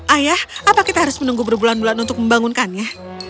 ayah apa kita harus menunggu berbulan bulan untuk membangunkannya